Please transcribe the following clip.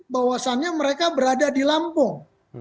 bahwasannya mereka berada di lampung